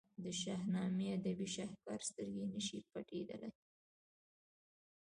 د شاهنامې ادبي شهکار سترګې نه شي پټېدلای.